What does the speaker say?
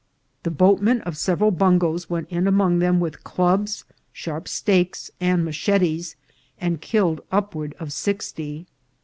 The boatmen of several bungoes went in among them with clubs, sharp stakes, and machetes, and killed upward of sixty.